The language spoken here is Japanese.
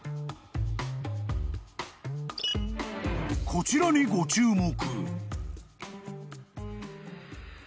［こちらにご注目］